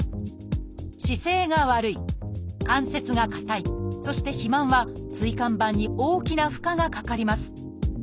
「姿勢が悪い」「関節が硬い」そして「肥満」は椎間板に大きな負荷がかかります。